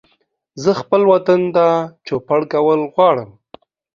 زه خپل وطن ته چوپړ کول غواړم